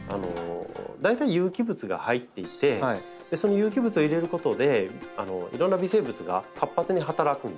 大体有機物が入っていてその有機物を入れることでいろんな微生物が活発に働くんです。